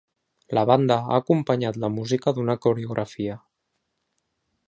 La banda ha acompanyat la música d’una coreografia.